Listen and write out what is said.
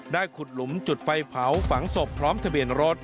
ขุดหลุมจุดไฟเผาฝังศพพร้อมทะเบียนรถ